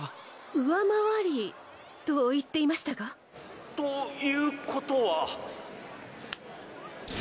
上回りと言っていましたが？ということは。